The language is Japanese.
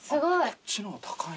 こっちの方が高い。